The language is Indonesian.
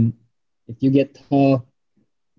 kalau lu lebih tinggi